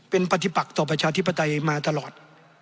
เป็นปฏิปักต่อประชาธิปไตยมาตลอด